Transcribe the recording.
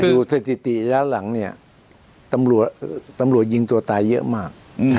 สถิติย้อนหลังเนี่ยตำรวจยิงตัวตายเยอะมาก